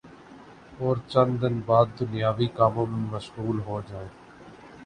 اور چند دن بعد دنیاوی کاموں میں مشغول ہو جائیں